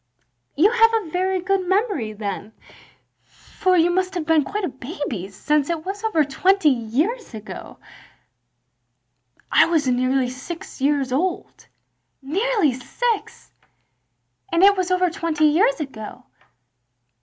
" "You have a very good memory then, for 133 THE LONELY LADY you must have been quite a baby, since it was over twenty years ago. "" I was nearly six years old. " "Nearly six! And it was over twenty years ago!